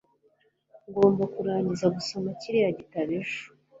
Ngomba kurangiza gusoma kiriya gitabo ejo